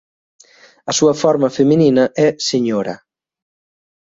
A súa forma feminina é "Señora".